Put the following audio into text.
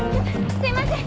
すいません！